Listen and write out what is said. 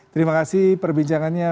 terima kasih perbincangannya